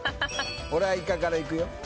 おれはイカからいくよ